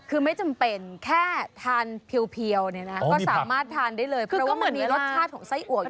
คือไม่จำเป็นแค่ทานเพียวก็สามารถทานได้เลยเพราะว่ามันมีรสชาติของไส้อั๋วอยู่ข้างในปุ่น